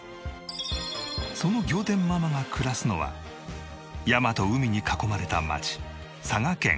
その仰天ママが暮らすのは山と海に囲まれた街佐賀県唐津市。